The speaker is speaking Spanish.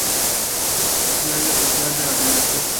Diario Oficial de la Federación.